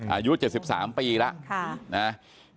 อายุ๗๓ปีแล้วนะ